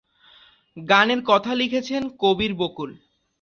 গানের কথা লিখেছেন কবির বকুল।